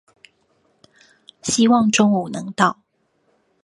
希望中午能到